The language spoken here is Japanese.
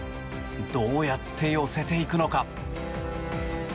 どうやって寄せていくのか。